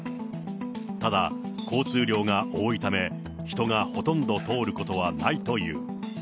ただ、交通量が多いため、人がほとんど通ることはないという。